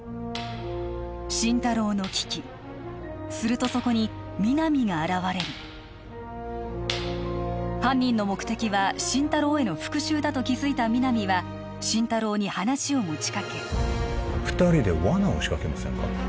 心太朗の危機するとそこに皆実が現れる犯人の目的は心太朗への復讐だと気づいた皆実は心太朗に話を持ちかけ二人でわなを仕掛けませんか？